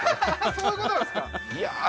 そういうことなんですか？